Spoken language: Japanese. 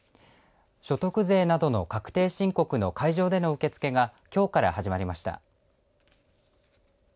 所得税などの確定申告の会場での受け付けがきょうから始まりました。